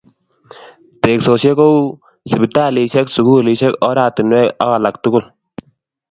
Teksosiek kou, sipitalishek, sululishek, oratinwek ak alak tukul